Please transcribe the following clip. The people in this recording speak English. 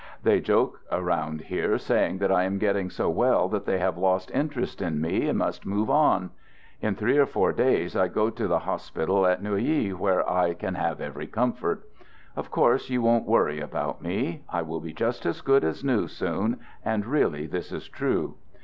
They joke around here, saying that I am getting so well that they have lost interest in me and must move on. In three or four days I go to the hospital at Neuilly, where I can have every comfort. Of course, you won't worry about me. I will be just as good as new soon, and really this is true.